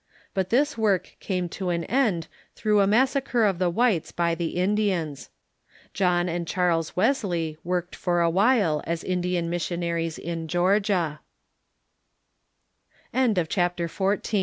But this work came to an end through a massacre of the whites by the Indians. John and Charles Wesley worked for a while as Indian missionaries in